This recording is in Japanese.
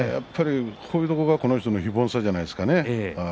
こういうところがこの人の非凡さじゃないでしょうかね。